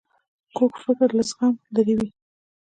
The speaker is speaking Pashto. کوږ فکر له زغم لیرې وي